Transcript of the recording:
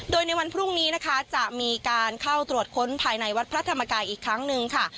โดยในวันพรุ่งนี้นะคะจะมีการเข้าตรวจค้นภายในวัดพระธรรมกายอีกครั้งหนึ่งค่ะ